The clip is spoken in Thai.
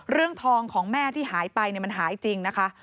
ทองของแม่ที่หายไปมันหายจริงนะคะ